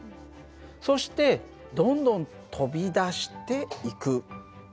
そしてどんどん飛び出していく。